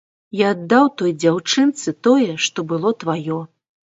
Я аддаў той дзяўчынцы тое, што было тваё.